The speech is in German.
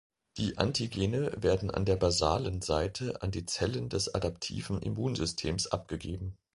Die Antigene werden an der basalen Seite an die Zellen des adaptiven Immunsystems abgegeben.